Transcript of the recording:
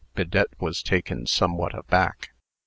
Bidette was taken somewhat aback.